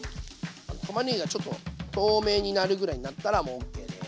たまねぎがちょっと透明になるぐらいになったらもうオッケーです。